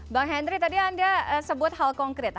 bang henry tadi anda sebut hal konkret